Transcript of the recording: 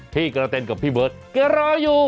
พี่กระเต้นกับพี่เบิร์ตแกรออยู่